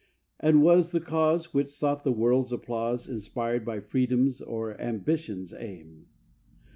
And was the cause, which sought the world's applause, Inspired by Freedom's or Ambition's aim?